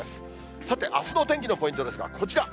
さてあすの天気のポイントですが、こちら。